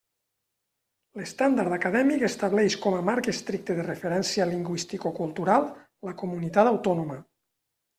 L'estàndard acadèmic estableix com a marc estricte de referència lingüisticocultural la comunitat autònoma.